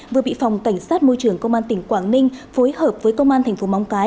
vừa bị phòng cảnh sát môi trường công an tỉnh quảng ninh phối hợp với công an thành phố móng cái